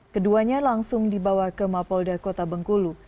keduanya langsung dibawa ke mapolda kota bengkulu